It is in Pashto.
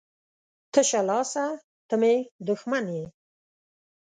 ـ تشه لاسه ته مې دښمن یې.